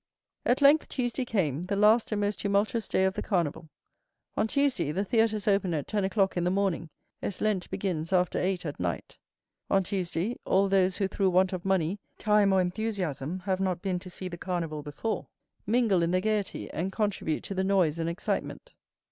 At length Tuesday came, the last and most tumultuous day of the Carnival. On Tuesday, the theatres open at ten o'clock in the morning, as Lent begins after eight at night. On Tuesday, all those who through want of money, time, or enthusiasm, have not been to see the Carnival before, mingle in the gayety, and contribute to the noise and excitement.